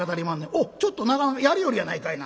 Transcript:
『おっちょっとなかなかやりよるやないかいな』。